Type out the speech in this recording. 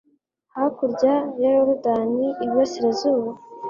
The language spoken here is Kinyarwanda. hakurya ya yorudani, iburasirazuba